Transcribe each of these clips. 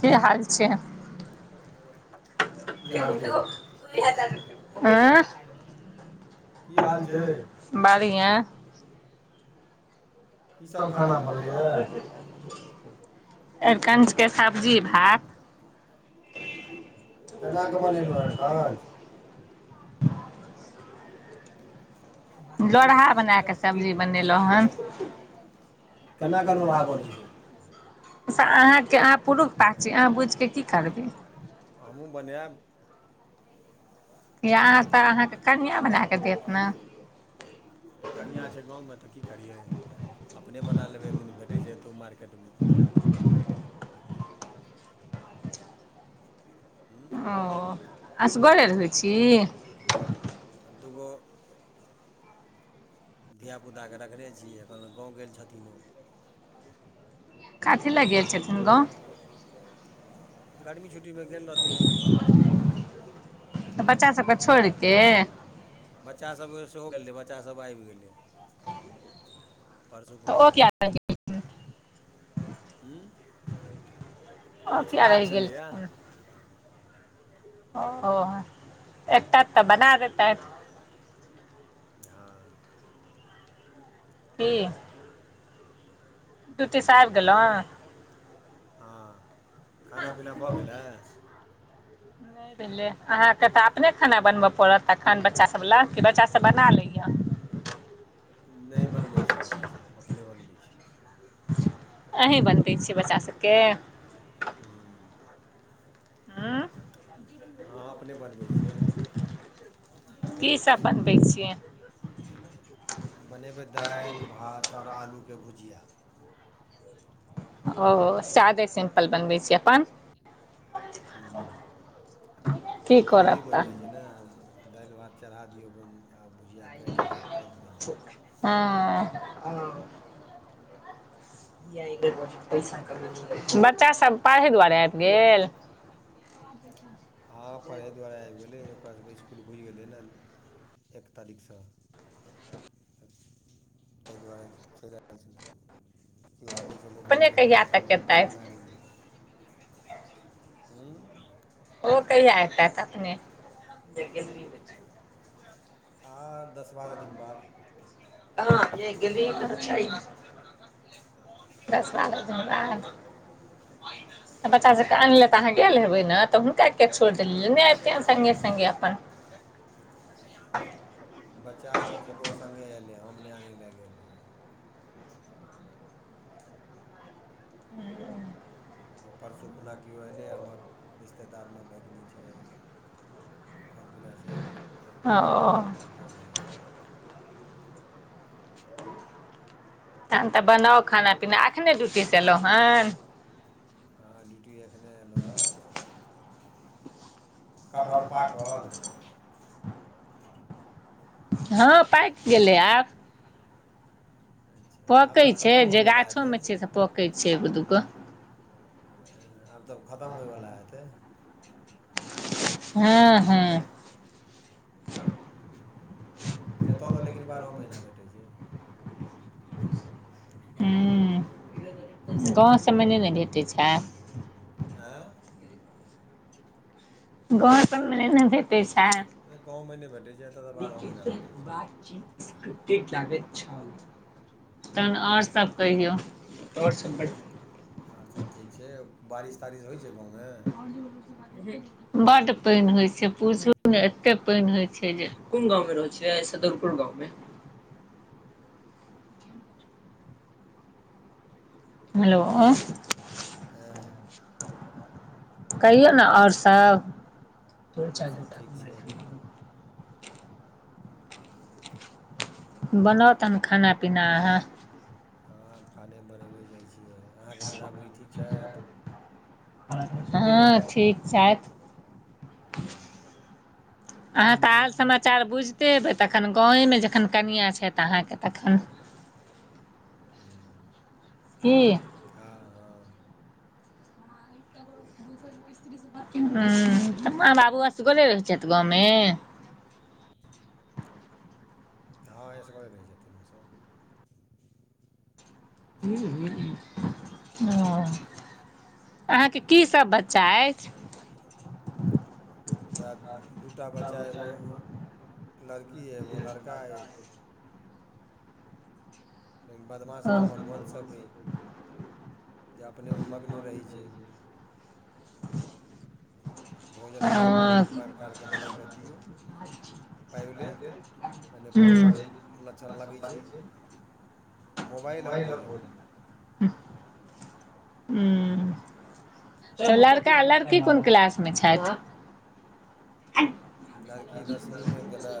की हाल छै की हाल छैय। उं [unintelligible] की हाल छय। बढ़ियां। कि कीसभ सभ खाना बनलैए बनलेए, ऐरकंच के सब्जी भात। केना केना कऽ बनेलऊ बनेलहुँ हँ ऐरकंज काँच लोढ़हा बना कऽ सब्जी बनेलहुँ हन [unintelligible] केना कऽ रोड़हा बनै छय। उसब अहाँके अहाँ पुरुष पात छी, अहाँ बुझिके की करबै। हमहुं बनैब। किया अहाँ तऽ अहाँके कनियां बना कऽ देत नऽ। ए कनियां छै गाँवमे तऽ की करियै। अपने बना लेबै एक दिन भेटै छै, एतउ मार्केटमे। हूँ ओ असगरे रहय छी। अ दुगो धियापुता कऽ रखने छि, एखन गांव गेल छथिन ओ। कथी लए गेल छथिन गाँव। गर्मी छुट्टीमे गेल रहथिन। तऽ बच्चा सबकेँ छोड़िते। बच्चासभ सेहो गेलै बच्चासभ आबि गेलै। परसु [unintelligible] तऽ ओ किया रहि गेल? हु ओ किछ किया काज रहि छलैया। गेलखिन ओ एत त बना देत। हँ। की ड्यूटी सँ हम्म आबि गेलहुँ हँ, खाना पीना भ गेलै। नयि भेले, अहाँके त अपने खाना बनब पड़त एखन बच्चा सभ लए, कि बच्चा सब बना लैय। नयि बनबै छै बच्चासभ अपने बनबै छी। अहीँ बनै छियै बच्चा सभके। हम्म। म्म हँ अपने बनबै छियै। की सब बनबै छियै? बनेबै दैल भात और आलूके भुजिया। ओ सादे सिम्पल बनबै छियै अपन। की जल्दी करब बइन तऽ जाइ छै न, दालि भात चढ़ा दियौ अपन आ भुजिया काइट लिय तुरन्त बइन जाइ छै। हँ बच्चा सब पढ़ै दुआरे आइब गेल? हँ पढ़य दुआरे आएब गेलै, ओकरासभके स्कुल खुइज गेलै न एक तारीखसँ। [unintelligible] तयि दुआरे चइल आयल छले। कियो आबै छलै अपने गाउंके त कहिया करे तक सगें मंगा एतथि लेलियै। हम्म। ओ कहिया एतत अपने? हँ दस बारह दिन बाद। [unintelligible] दस बारह दिन बाद [unintelligible] त बच्चा सभकेँ अनेलै त अहाँ गेल हेबै न त हुनका किया छुइर देलियै, एयतत संगे संगे अपन। बच्चासब ककरो संगे एलै, हम ने आने गेल रहिये। [unintelligible] परसु आना कि भेले हमर रिश्तेदार में भगनि छै। चलखिना स एलखिन, एलखिन न त ओ उनके संगे एलै। तखन त बनाउ खाना पीना, एखने डियुटीसँ एलहुँ हेन? हँ ड्यूटी एखने एयलहुँ हें। कटहर पाकल। हँ पाकि गेलै आब- - अच्छा आब पकै तऽ छै खतम जे होयवला हेतै गाछोमे छै से पकैत छै एगो दूगो। आब त खतम होइवला हेतै। हँ हूँ हँ - - एत तऽ लेकिन बारहो महीना भेटै छैइ। हूं गाँव सबमे न इ ने भेटै छैइ। ऐ- - गांव सब में नै-ने भेटै छैन? नै गाँव मे नै भेटै छै, एतऽ तऽ बारहो महीना भेटै छै। स्क्रिप्टेड लागैत छल। तहन और सब कहियौ, और सब बढ़िया। और सब ठीक छै? आइ बारिश साइ तारिश होइ चैल छै गाँवमे जैतौं ने। और दियौ भूसी-बाती ढैट। बड पैन होई छै पुछू ने एते पैन होइ छै जे कोन गाँवं में रहै छियै? सदरपुर गाँव में। हेलो हे कहियौ ने और सब। और सब ठीक छैक। बनाउ तहन खाना-पीना अहाँ। हँ, खाने बनेबै जाइ छियै, अहाँ के बूढ़हा-बुढ़ही ठीक छैथ? हँ, ठीक छैथ। [unintelligible] अहाँ तऽ आल-समाचार बुइझते एबै तखन, गाँवे मे जखन कनियाँ छैथ अहाँ के तखन। हूं। की? हाँ-हाँ। त दूसर मिस्त्री स हूं, तऽ माँ बाबू असगरे रहै छैथ गाँव में? हँ एसगरे रहै छथीन ओ सब। हूं-हूं, न अहाँ के की सब बच्चा ऐछ? हमरा दू-टा बच्चा, एगो लड़की ऐ एगो लड़का ऐ लेकिन बदमाश ओ नम्बर वन सब ऐ, जे अपने में मग्न रहै छै। भोजन खाली ओ नीक-नीक परकार के बनाकऽ दियौ पैब लेत अ- ने हूँ पढ़इ के ल-लछन लगै छै, मोबाइल और भोजन। ऊं-हूं। तऽ लड़का-लड़की कोन क्लास मे छैथ? लड़की दसमी में गेले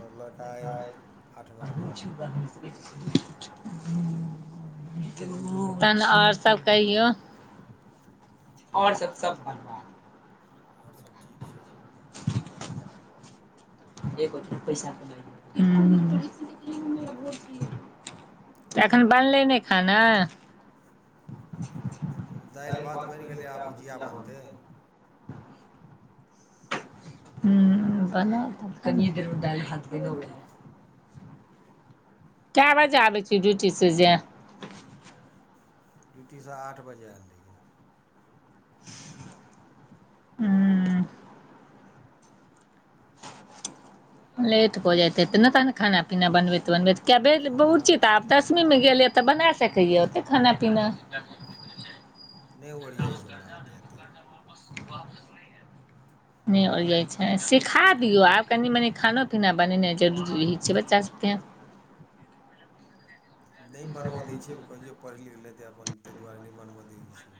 और लड़का ऐ आठवां में। [unintelligible] तहन और सब कहियौ, और सब-सब बढ़िया। और सब ठीक छै। जे कोइ पैसा क लेल-ऊं-भौजी यै। अखैन बनलै नै खाना? [unintelligible] दैल-भात बैन गेलै, आब भुजिया बनतै। हूं बनाउ त, कनी देर में दाल-भात बैनो गेलै। के बजे आबै छी ड्यूटी से जे ड्यूटी से आठ बजे एल रहियै। ऊंह लेट भ जैत हैतै न तहन खाना-पीना बनबैत- बनबैत किये बेल हँ बुच्ची तऽ आब दसमी मे गेल य तऽ बना सकैये ओते खाना-पीना। नै ओरियाई छैय ओकरा ओतेक एते। ब बाह [unintelligible] [unintelligible] नै ओरियाई छै? सिखा दियौ, आब कनी मनी खानो पीना बनेनाइ जरूरी रहइ छै बच्चा सबके। नै बनब दै छियै, ओ कहै छै पढ़ि लिखि लेतै अपन, तें दुआरे नै बनब दै छियै।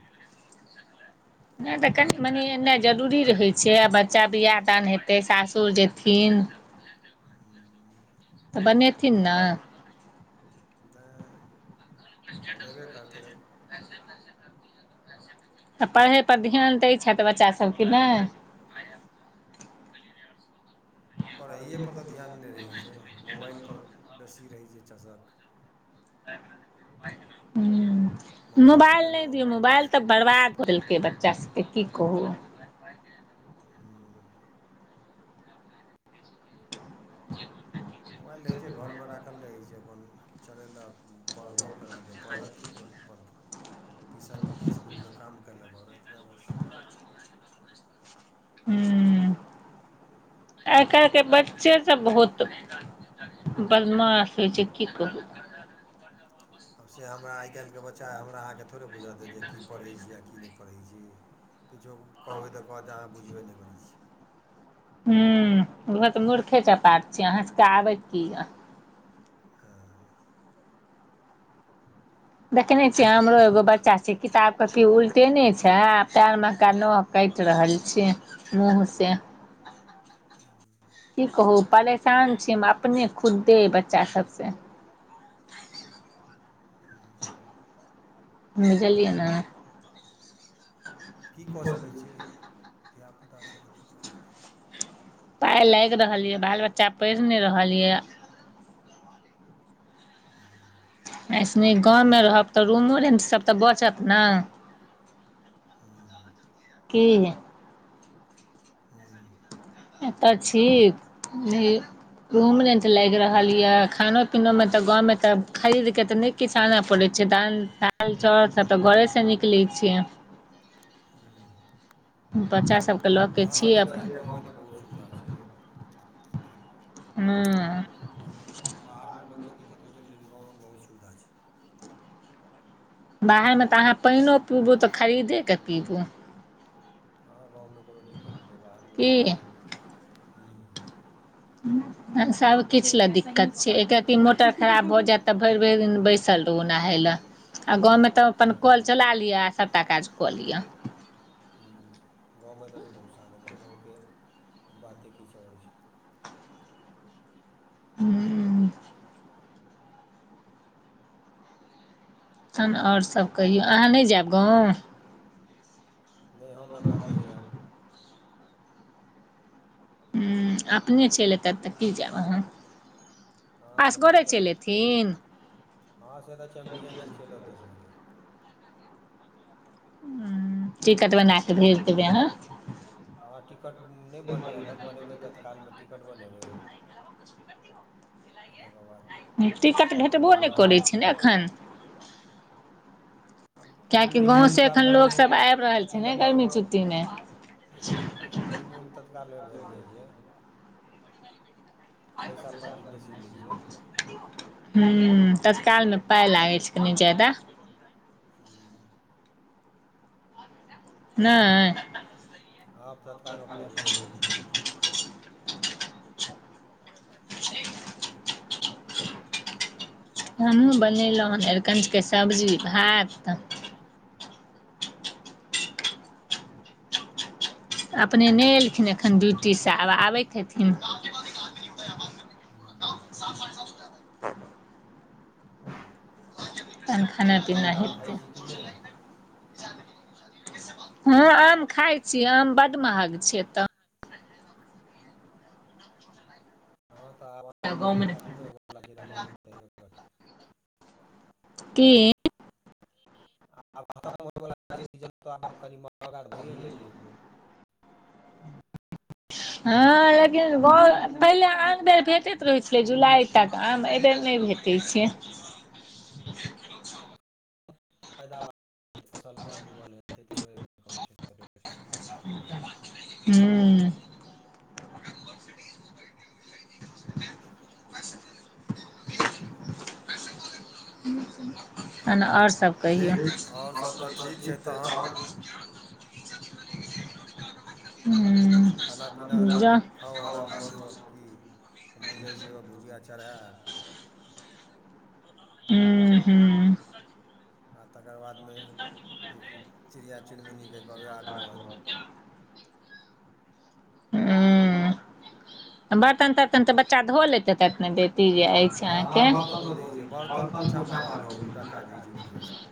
नै त घर कनी मनी एनाइ जरूरी रहै छै, आब बच्चा बिआह दान हेतै, सासुर जेथिन। हुं त बनेथिन न? नै, बनेबै करतै। [unintelligible] त पढ़ै पर ध्यान दै छथि बच्चा सब कि नै? पढैए पर त धियान नै रहै छै, मोबाइल पर बेसी रहै छै चसक। हुं, मोबाइल नै चलेलहुँ दियौ, अपन बस मोबाइल त बर्बाद क देलकै बच्चा सबके की कहू। हुं [inaudible] मोबाइल रहै छै, घर मे राखल रहै छै, अपन, चलेलक। हं पढ़बो केलक पढ़त की [unintelligible] फ टिशन इस्कुल के काम केलक, और एतबा बस। [unintelligible] हुं, आइ कालिके बच्चे सब बहुत दुखी बदमाश होइ छै की कहू। हं से हमरा आइ काल्हिके बच्चा, हमरा अहाँकेँ थोड़े बुझत देत कि की पढ़ै छी आ, की नै पढ़ै छी। किछो कहबै, त कहत जे अहाँ बुझबे नै करै छी। हुं बूझत मूर्खे चपाट छी, अहाँ सबके आबै की य। हँ अं देखै नै छीयै, हमरो एगो बच्चा छै, किताब कॉपी उलटेने छै आ, पैर महका नह काटि रहल छियै मूँह से। [inaudible] की कहू पलेशान छी हम, अपने खुद्दे अइ बच्चा सबसँ। हुं बुझलिअइ न। त की क सकै छियै? धिया पूता छै त की क सकै छी पाय लागि रहल य, बाल बच्चा पढ़ि नै रहल य। हं अं ऐ सं नीक, गाँवमे रहब त, रूमो रेंट सब त बचत न? हुं उं की है हँ एत छी नै रुम रेंट लागि रहल य, खानो पीनो में त, गांव में ते खरीद के त नै किछ आन पड़ै छै, दन दालि चाउर सब त घरेसँ निकलै छै। हुं बच्चा सभकेँ ल के छी तऽ छै अपन। गाँवमे बहुत सुविधा छै। हुं। पर बाहर में लोक के दिक्कत होइ छै लेकिन गाँव में बहुत सुविधा छै। बाहर मे़ त अहाँ पैनो पीबू, त खरीदे क पीबू। हँ गाँव में कोनो दिक्कत नै छै बाहरमे की छै, हुं। हुं, अ- सव किछ ले दिक्कत छै, एक रती मोटर खराब भ जेत त भैर-भैर दिन बैसल रहू ओन नहै ले, आ गाँव मे त अपन हँ कल चला लिअ आ सबटा काज क लिअ। हुं, गाँव में त च बहुत साधन छै गाँवके बाते किछ और छै। हूँ। तहन और सब कहियौ, अहाँ नै जेब गाँव? नै हम एखन नै जेब। हूँ, अपने चैल एतैथ त तक की जेब अहाँ? हँ तऽ असगरे चैल टिकट एथीन? हँ से त चैम्पियन छै चैल औतै असगरे। हूं, टिकट बना कऽ भेज देबै अहाँ। हँ टिकट नै बनलैए एखन, बनेबै तत्काल में टिकट बनेबै। आ तेकर बाद टिकट औतै भेटबो दस ने करै बारह छै ने एखन? आ कियेकि प्रीमियम गाँव से एखन तत्कालमे लोक सब ऐब रहल छै अथि ने लऽ कऽ गर्मी छुट्टी में। प्रीमियम तत्काल में भेट जै छै। पैसा-पजी बेसी लै छै। हूं, तत्काल में पै लागै छै कनि ज्यादा। हँ। नै? हँ, तत्काल में पाइ बेसी लगै छै। [inaudible] हमहूँ बनेलौं हन अरिकंच के सब्जी-भात। अपने नै ह्म एलखिन एखन ड्यूटी से आब आबैत हेथिन। ह्म तहन खाना पीना आम-ताम खाइ हेतै छी कि नै? हँ, आम खाय छी, आम बड महग छै एतऽ। हँ तऽ आब आम खतमे होइ बला छै त महग ते हेबे करतै। की? आ [inaudible] भइए जेतै हँ लेकिन बौ-पहिले आन बेर फेटे त रहै छलै जुलाइ तक आम, ऐ बेर नै भेटै छै। तऽ फायदा ब फसल कम उगल हेतै त ऐ बेर कम छै। तै चक्कर में छै। हूँ। [unintelligible] तहन आर सभ कहियौ। ठीक आओर सभ तऽ ठीक छै तहन हूं। खाना-पीना खाउ आराम करू आब कि? हमहूं जै छी आब भुजिया चढे़ब। हू़ं-हूं। आ तकर बाद में ई चिड़िया- चुनमुनी के कहबै आ खो-हन। हूँ बर्तन तर्तन तऽ बच्चा धो लेतै त दे इ जे अछि अहाँ अहाँके। बर्तन तऽ धो दै छियै जे बढ़िआँसँ [unintelligible]